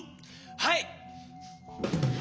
はい！